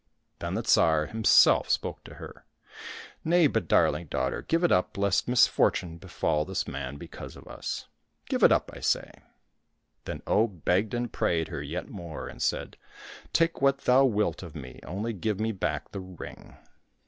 Then the Tsar himself spoke to her. " Nay, but, darling daughter, give it up, lest misfortune befall this man because of us ; give it up, I say !" Then Oh begged and prayed her yet more, and said, " Take what thou wilt of me, only give me back the ring."